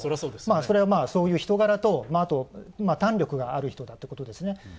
それはそういう人柄とあと、胆力がある人だってことですね。